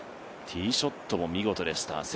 ティーショットも見事でした。